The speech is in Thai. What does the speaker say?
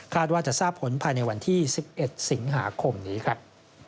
ว่าจะทราบผลภายในวันที่๑๑สิงหาคมนี้ครับ